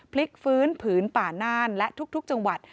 พลิกฟื้นผืนป่าน่านและทุกจังหวัด